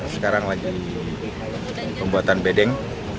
sekarang lagi pembuatan bedeng